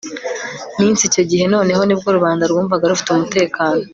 minsi icyo gihe noneho ni bwo rubanda rwumvaga rufite umutekano